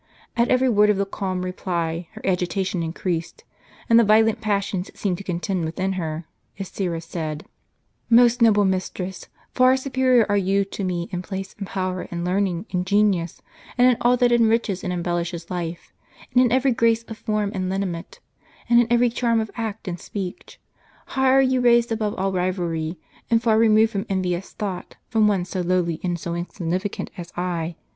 At every word of the calm reply her agitation increased ; and violent passions seemed to con tend within her, as Syra said: " Most noble mistress, far superior are you to me in place, and power, and learning, and genius, and in all that enriches and embellishes life ; and in every grace of form and linea ment, and in every charm of act and speech, high are you raised above all rivalry, and far removed from envious thought, from one so lowly and so insignificant as I.